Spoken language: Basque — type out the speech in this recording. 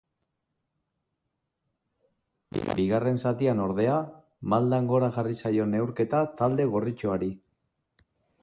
Bigarren zatian, ordea, maldan gora jarri zaio neurketa talde gorritxoari.